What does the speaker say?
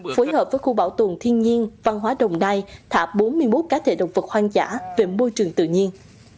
phối hợp với khu bảo tồn thiên nhiên văn hóa đồng nai thả bốn mươi một cá thể động vật hoang dã về môi trường tự nhiên